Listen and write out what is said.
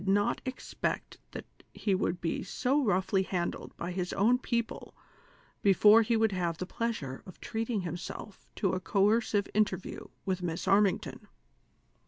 210 not expect that he would be so roughly handled by his o \A'n people before he would have the pleasure of treating him self to a coercive interview with Miss Armiugton.